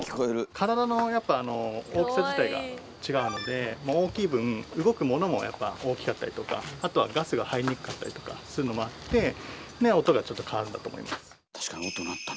体の大きさ自体が違うので大きい分動くものもやっぱ大きかったりとかあとはガスが入りにくかったりとかするのもあって音がちょっと変わるんだと思います。